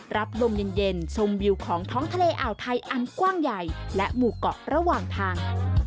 รับลมเย็นชมวิวของท้องทะเลอ่าวไทยอันกว้างใหญ่และหมู่เกาะระหว่างทาง